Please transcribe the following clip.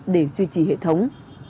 để duy trì hệ thống